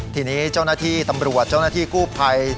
ทีนี้เจ้าหน้าที่ตำรวจเจ้าหน้าที่กู้ภัย